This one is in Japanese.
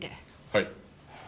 はい。